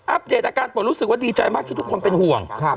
เดตอาการปวดรู้สึกว่าดีใจมากที่ทุกคนเป็นห่วง